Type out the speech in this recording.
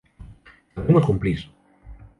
¡Sabremos cumplir!